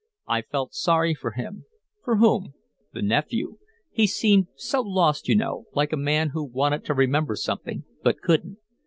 "I felt sorry for him." "For whom?" "The nephew. He seemed so lost, you know like a man who wanted to remember something, but couldn't.